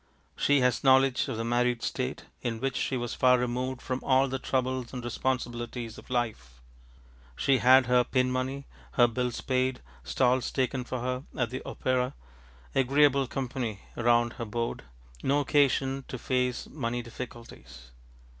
She has knowledge of the married state, in which she was far removed from all the troubles and responsibilities of life. She had her pin money, her bills paid, stalls taken for her at the opera, agreeable company around her board, no occasion to face money difficulties.